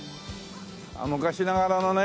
昔ながらのね